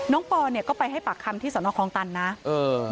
ปอเนี่ยก็ไปให้ปากคำที่สนคลองตันนะเออ